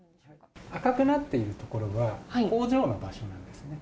赤くなっているところが工場の場所なんですね。